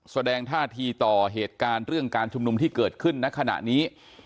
แสดงท่าทีต่อเหตุการณ์เรื่องการชุมนุมที่เกิดขึ้นในขณะนี้